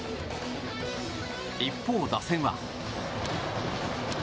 一方、打線は。